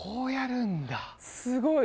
すごい！